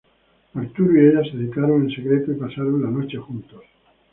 Arturo y ella se citaron en secreto y pasaron la noche juntos.